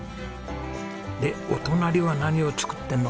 でお隣は何を作ってんのかな？